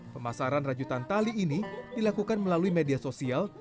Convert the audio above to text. pemasaran rajutan tali ini dilakukan melalui media sosial